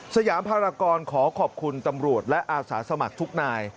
สยามภารกรขอขอบคุณตำรวจและอาสาสมัครทุกนาย